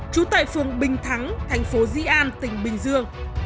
trú tại phường bình thắng thành phố di an tỉnh bình dương